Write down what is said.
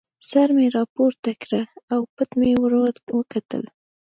سر مې را پورته کړ او پټ مې ور وکتل.